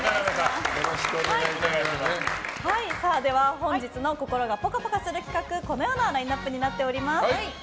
では、本日の心がぽかぽかする企画このようなラインアップになっております。